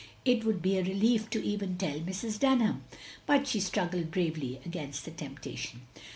It would be a relief to even tell Mrs. Dunham," but she struggled bravely against the temptation.